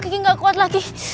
kegi gak kuat lagi